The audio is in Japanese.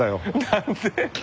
何で？